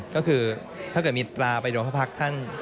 ก็คือถ้าเกิดมีตราไปโดนพระพักษ์ท่าน